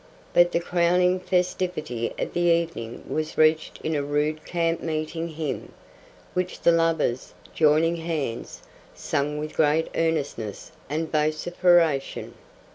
But the crowning festivity of the evening was reached in a rude camp meeting hymn, which the lovers, joining hands, sang with great earnestness and vociferation.